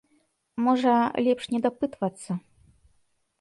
Можа, лепш не дапытвацца?